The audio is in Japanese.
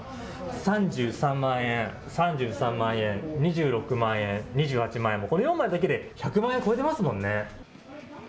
３３万円、３３万円、２６万円、２８万円、この４枚だけで１００万円を超えてますもんね。